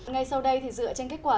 ngay sau đây thì dựa trên kết quả